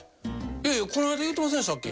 「いやいやこの間言うてませんでしたっけ？」。